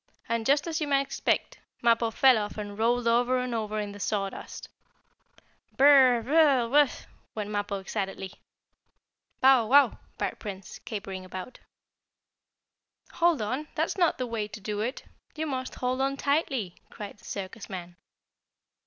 And, just as you might expect, Mappo fell off and rolled over and over in the sawdust. "Chatter chatter chat! Bur r r r! Buz z z z z! Wur r r r r!" went Mappo, excitedly. "Bow wow!" barked Prince, capering about. "Hold on! That's not the way to do it! You must hold on tightly!" cried the circus man.